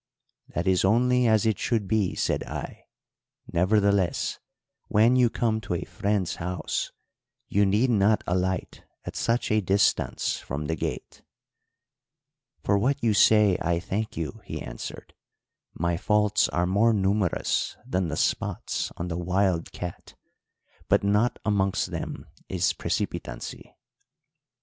"'That is only as it should be,' said I; 'nevertheless, when you come to a friend's house, you need not alight at such a distance from the gate.' "'For what you say, I thank you,' he answered. 'My faults are more numerous than the spots on the wild cat, but not amongst them is precipitancy.'